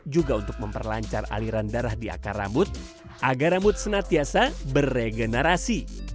juga untuk memperlancar aliran darah di akar rambut agar rambut senantiasa beregenerasi